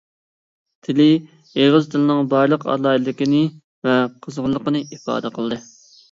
تىلى ئېغىز تىلىنىڭ بارلىق ئالاھىدىلىكىنى ۋە قىزغىنلىقىنى ئىپادە قىلدى.